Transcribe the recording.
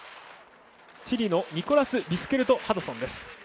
チリのニコラス・ビスケルトハドソン。